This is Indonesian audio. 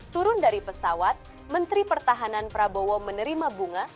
turun dari pesawat menteri pertahanan prabowo menerima bunga